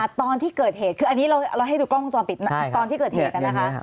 ตอนที่เกิดเหตุคืออันนี้เราให้ดูกล้องวงจรปิดตอนที่เกิดเหตุนะคะ